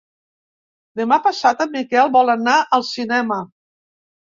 Demà passat en Miquel vol anar al cinema.